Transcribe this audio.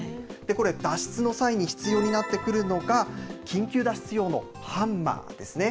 これ、脱出の際に必要になってくるのが、緊急脱出用のハンマーですね。